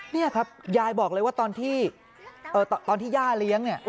นี่ครับยายบอกเลยว่าตอนที่ตอนที่ย่าเลี้ยง